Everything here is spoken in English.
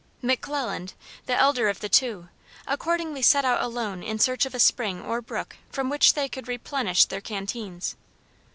McClelland, the elder of the two, accordingly set out alone in search of a spring or brook from which they could replenish their canteens.